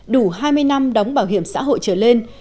đủ hai mươi năm đóng bảo hiểm xã hội trở lên